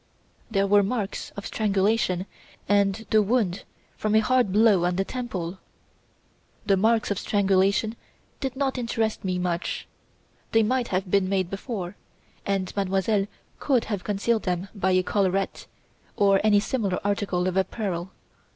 There were marks of strangulation and the wound from a hard blow on the temple. The marks of strangulation did not interest me much; they might have been made before, and Mademoiselle Stangerson could have concealed them by a collarette, or any similar article of apparel.